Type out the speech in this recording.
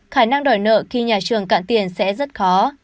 khả năng đòi nợ khi nhà trường cạn tiền sẽ rất khó